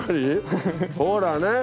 ほらね！